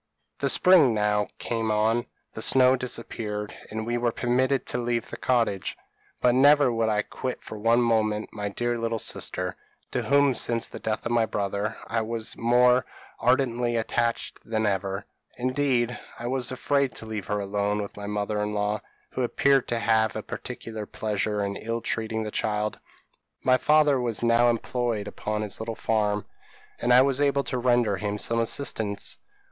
p> "The spring now came on; the snow disappeared, and we were permitted to leave the cottage; but never would I quit for one moment my dear little sister, to whom since the death of my brother, I was more ardently attached than ever; indeed, I was afraid to leave her alone with my mother in law, who appeared to have a particular pleasure in ill treating the child. My father was now employed upon his little farm, and I was able to render him some assistance.